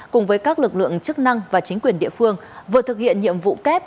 cùng với các lực lượng chức năng và chính quyền địa phương vừa thực hiện nhiệm vụ kép